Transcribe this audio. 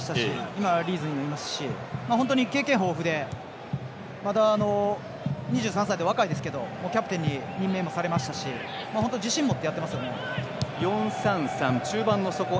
今、リーズにいますし本当に経験豊富でまだ２３歳と若いですがキャプテンに任命されましたし本当自信を持ってやっていますよね。